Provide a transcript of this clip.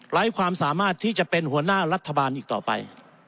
ความสามารถที่จะเป็นหัวหน้ารัฐบาลอีกต่อไป